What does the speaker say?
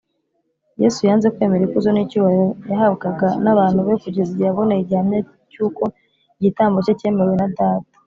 yesu yanze kwemera ikuzo n’icyubahiro yahabgaga n’abantu be kugeza igihe yaboneye igihamya cy’uko igitambo cye cyemewe na data